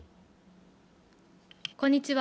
こんにちは。